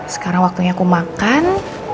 sekarang waktunya aku makan